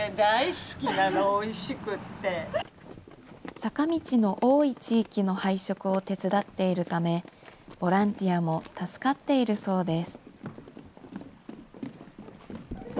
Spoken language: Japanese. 坂道の多い地域の配食を手伝っているため、ボランティアも助かっているそうです。